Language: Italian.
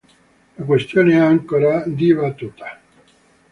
La questione è ancora dibattuta.